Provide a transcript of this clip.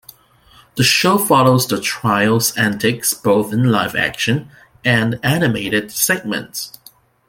The show follows the trio's antics both in live-action and animated segments.